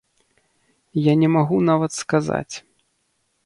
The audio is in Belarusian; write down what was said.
Я не магу нават сказаць.